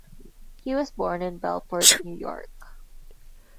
He was born in Bellport, New York.